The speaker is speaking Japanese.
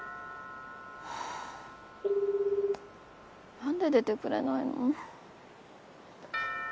何で出てくれないの。